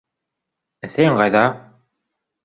Әсәйең ҡайҙа?